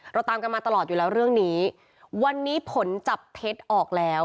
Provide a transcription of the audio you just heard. เราตามกันมาตลอดอยู่แล้วเรื่องนี้วันนี้ผลจับเท็จออกแล้ว